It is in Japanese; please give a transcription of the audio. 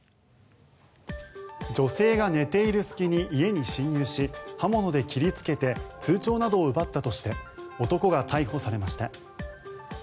女性が寝ている隙に家に侵入し刃物で切りつけて通帳などを奪ったとして男が逮捕されました。